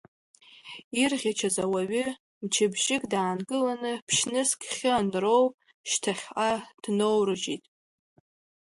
Ирӷьычыз ауаҩы мчыбжьык даанкыланы ԥшьнызқь хьы анроу шьҭахьҟа дноурыжьит.